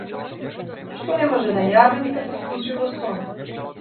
Што не може на јаве, нека се случи во сон.